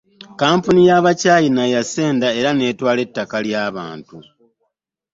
Kampuni ya bachina yaseenda era netwala ettaka lya bantu.